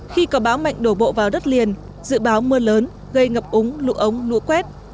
khi có bão mạnh đổ bộ vào đất liền dự báo mưa lớn gây ngập úng lũ ống lũ quét